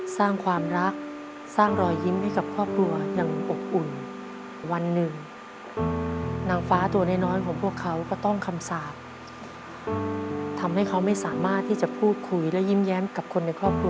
สร้างความรักสร้างรอยยิ้มให้กับครอบครัวอย่างอกอุ่น